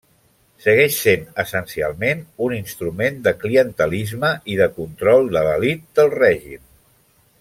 Segueix sent essencialment un instrument de clientelisme i de control de l'elit del règim.